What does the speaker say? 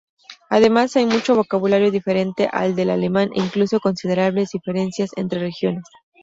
Además, hay mucho vocabulario diferente al del alemán, e incluso considerables diferencias entre regiones.